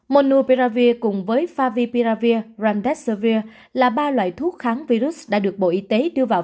monopiravir cùng với favipiravir remdesivir là ba loại thuốc kháng virus đã được bộ y tế đưa vào